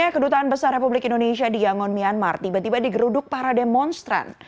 kedutaan besar republik indonesia di yangon myanmar tiba tiba digeruduk para demonstran